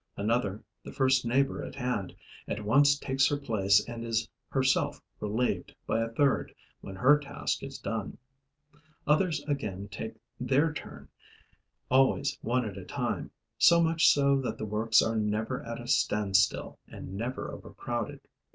Another, the first neighbor at hand, at once takes her place and is herself relieved by a third when her task is done. Others again take their turn, always one at a time, so much so that the works are never at a standstill and never overcrowded.